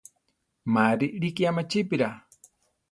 Má rilíki amachípira.